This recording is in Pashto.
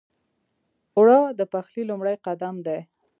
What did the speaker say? اوړه د پخلي لومړی قدم دی